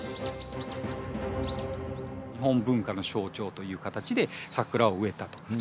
日本文化の象徴という形で、桜を植えたと。